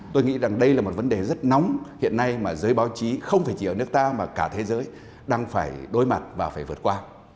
tôi nghĩ rằng đây là một vấn đề rất nóng hiện nay mà giới báo chí không phải chỉ ở nước ta mà cả thế giới đang phải đối mặt và phải vượt qua